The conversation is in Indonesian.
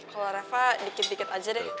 kalau reva dikit dikit aja deh